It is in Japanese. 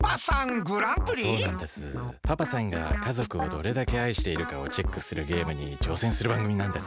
パパさんが家族をどれだけ愛しているかをチェックするゲームにちょうせんするばんぐみなんです。